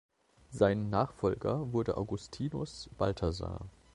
Sein Nachfolger wurde Augustinus Balthasar.